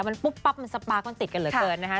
มันปุ๊บปั๊บมันสปาร์คอมันติดกันเหลือเกินนะคะ